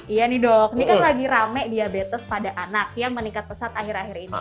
iya nih dok ini kan lagi rame diabetes pada anak yang meningkat pesat akhir akhir ini